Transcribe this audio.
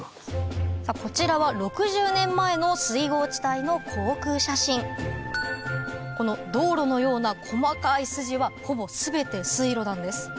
こちらは６０年前の水郷地帯の航空写真この道路のような細かい筋はほぼ全て水路なんです